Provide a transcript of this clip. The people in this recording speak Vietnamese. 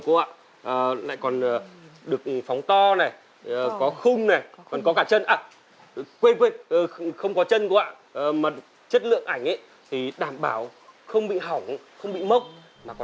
rồi lại còn có cả khung này chất lượng ảnh thì tốt này